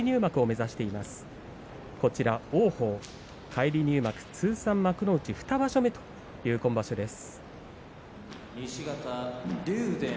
返り入幕、通算幕内２場所目という今場所です。